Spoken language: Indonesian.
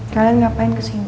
kalian ngapain kesini